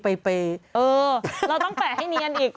เออเราต้องแปะให้เนียนอีก